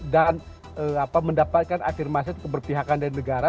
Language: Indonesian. dan mendapatkan afirmasi keberpihakan dari negara